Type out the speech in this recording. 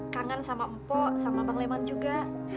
kangen sama mpo sama bang leman juga